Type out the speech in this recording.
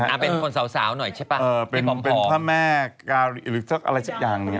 อ่าเป็นคนสาวหน่อยใช่ป่ะเป็นพ่อแม่กาหรือสักอย่างนั้น